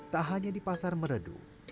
tak hanya di pasar meredu